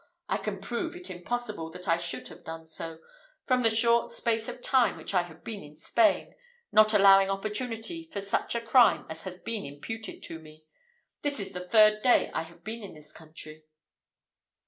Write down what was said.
I can prove it impossible that I should have done so, from the short space of time which I have been in Spain, not allowing opportunity for such a crime as has been imputed to me. This is the third day I have been in this country."